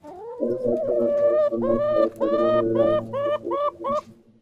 সকাল সাড়ে সাতটার ঢাকামুখী রেলগাড়ি চট্টলা সন্ধ্যা সাড়ে ছয়টা পর্যন্ত রাজধানীতে প্রবেশ করেনি।